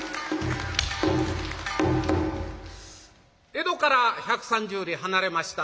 江戸から１３０里離れました